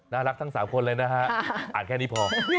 น่ารักทั้ง๓คนเลยนะฮะอัดแค่นี้พอ